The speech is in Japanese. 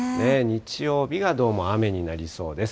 日曜日が、どうも雨になりそうです。